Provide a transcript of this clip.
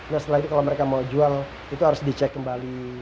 nah setelah itu kalau mereka mau jual itu harus dicek kembali